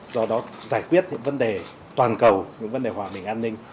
do đó giải quyết những vấn đề toàn cầu những vấn đề hòa bình an ninh